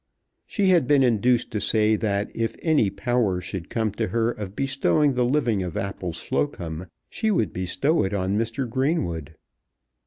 She had been induced to say that if any power should come to her of bestowing the living of Appleslocombe she would bestow it on Mr. Greenwood.